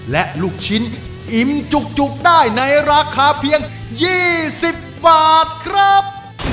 และลูกชิ้นอิ่มจุกได้ในราคาเพียง๒๐บาทครับ